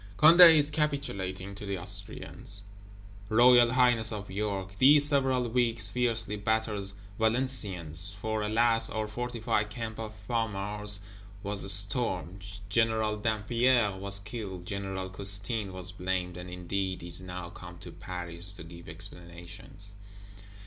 Condé is capitulating to the Austrians; Royal Highness of York, these several weeks, fiercely batters Valenciennes. For, alas, our fortified Camp of Famars was stormed; General Dampierre was killed; General Custine was blamed, and indeed is now come to Paris to give "explanations."